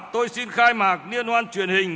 tôi xin khai mạc niên hoan truyền hình